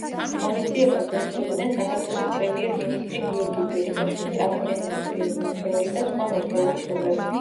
ღონისძიებას ესწრებოდნენ საქართველოს პრემიერ-მინისტრი გიორგი კვირიკაშვილი, აკადემიკოსი როინ მეტრეველი და სხვა მოწვეული სტუმრები.